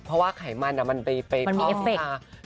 เพราะว่าไขมันมันไปพ่อสิทธิ์ค่ะมันมีเอฟเฟกต์